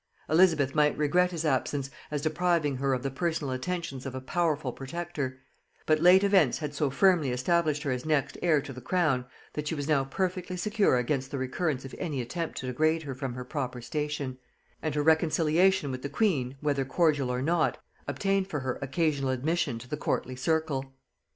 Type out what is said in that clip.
Elizabeth might regret his absence, as depriving her of the personal attentions of a powerful protector; but late events had so firmly established her as next heir to the crown, that she was now perfectly secure against the recurrence of any attempt to degrade her from her proper station; and her reconciliation with the queen, whether cordial or not, obtained for her occasional admission to the courtly circle.